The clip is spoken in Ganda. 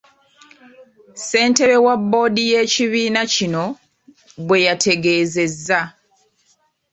Ssentebe wa bboodi y’ekibiina kino bweyategeezezza.